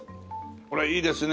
これいいですね